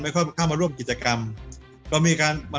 ไม่ค่อยเข้ามาร่วมกิจกรรม